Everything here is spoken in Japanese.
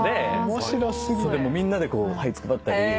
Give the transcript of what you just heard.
それでみんなではいつくばったり。